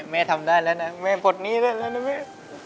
แม่ทำได้แล้วนะแม่ปลดหนี้ได้แล้วนะแม่